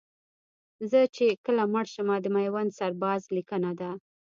زه چې کله مړ شمه د میوند سرباز لیکنه ده